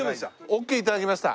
オッケー頂きました。